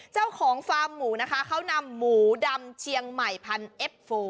เจ้าของฟาร์มหมูนะคะเขานำหมูดำเชียงใหม่พันเอฟโฟ